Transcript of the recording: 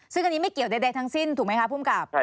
ซึ่งอันนี้ไม่เกี่ยวใดทั้งสิ้นถูกไหมคะภูมิกับ